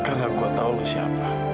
karena gue tau lo siapa